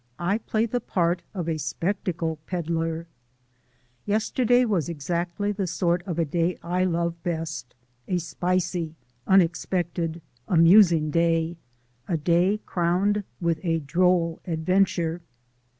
I PLAY THE PART OF A SPECTACLE PEDDLER Yesterday was exactly the sort of a day I love best a spicy, unexpected, amusing day crowned with a droll adventure.